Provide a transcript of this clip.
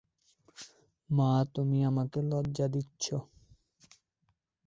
মা, তুমি আমাকে লজ্জা দিচ্ছো।